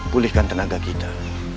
pulihkan tenaga kita